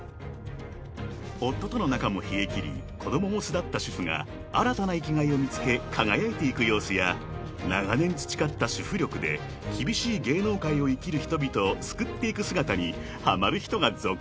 ［夫との仲も冷えきり子供も巣立った主婦が新たな生きがいを見つけ輝いていく様子や長年培った主婦力で厳しい芸能界を生きる人々を救っていく姿にはまる人が続出］